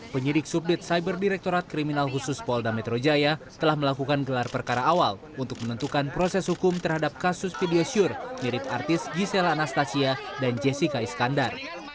penyidik subdit cyber direktorat kriminal khusus polda metro jaya telah melakukan gelar perkara awal untuk menentukan proses hukum terhadap kasus video syur mirip artis gisela anastasia dan jessica iskandar